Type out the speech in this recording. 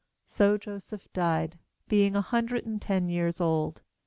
26So Joseph died, being a hundred and ten years old.